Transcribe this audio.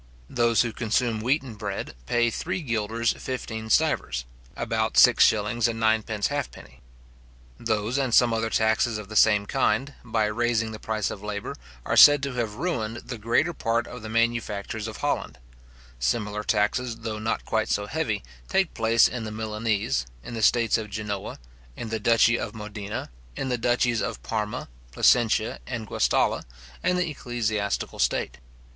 Those who consume wheaten bread pay three guilders fifteen stivers; about six shillings and ninepence halfpenny. Those, and some other taxes of the same kind, by raising the price of labour, are said to have ruined the greater part of the manufactures of Holland {Memoires concernant les Droits, etc. p. 210, 211.}. Similar taxes, though not quite so heavy, take place in the Milanese, in the states of Genoa, in the duchy of Modena, in the duchies of Parma, Placentia, and Guastalla, and the Ecclesiastical state.